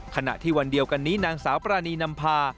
ขณะที่วันเดียวกันนี้นางสาวปรานีนำพา